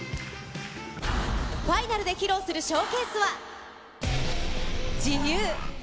ファイナルで披露するショーケースは、自由。